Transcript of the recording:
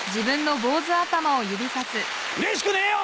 うれしくねえよ！